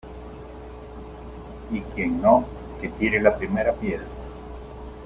y quien no , que tire la primera piedra .